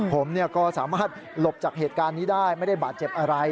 ผมก็สามารถหลบจากเหตุการณ์นี้ได้ไม่ได้บาดเจ็บอะไร